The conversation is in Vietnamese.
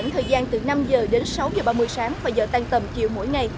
khoảng thời gian từ năm h đến sáu h ba mươi sáng và giờ tan tầm chiều mỗi ngày